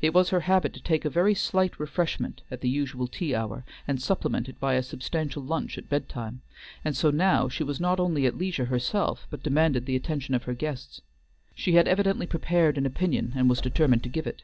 It was her habit to take a very slight refreshment at the usual tea hour, and supplement it by a substantial lunch at bed time, and so now she was not only at leisure herself, but demanded the attention of her guests. She had evidently prepared an opinion, and was determined to give it.